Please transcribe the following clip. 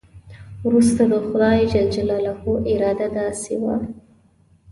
وروسته د خدای جل جلاله اراده داسې وه.